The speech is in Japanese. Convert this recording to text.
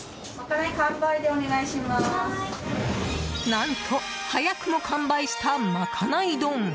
何と、早くも完売したまかない丼。